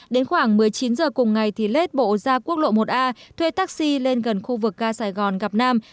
đến khoảng một mươi chín h cùng ngày thì lết bộ ra quốc lộ một a thuê taxi lên gần khu vực ga sài gòn gặp nam